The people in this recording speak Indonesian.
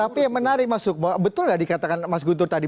tapi yang menarik mas sukma betul nggak dikatakan mas guntur tadi